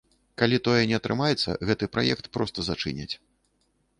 Калі тое не атрымаецца, гэты праект проста зачыняць.